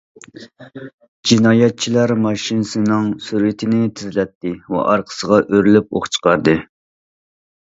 جىنايەتچىلەر ماشىنىسىنىڭ سۈرئىتىنى تېزلەتتى ۋە ئارقىسىغا ئۆرۈلۈپ ئوق چىقاردى.